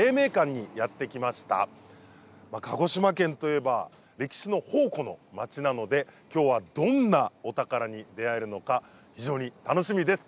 鹿児島県といえば歴史の宝庫の町なので今日はどんなお宝に出会えるのか非常に楽しみです。